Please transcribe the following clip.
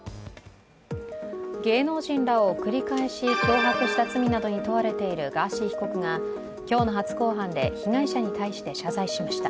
芸能人らを繰り返し脅迫した罪などに問われているガーシー被告が今日の初公判で被害者に対して謝罪しました。